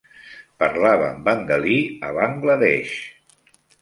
Parlaven bengalí a Bangladesh.